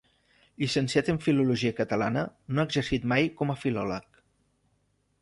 Llicenciat en filologia catalana, no ha exercit mai com a filòleg.